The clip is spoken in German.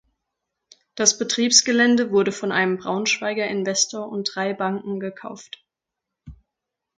Das Betriebsgelände wurde von einem Braunschweiger Investor und drei Banken gekauft.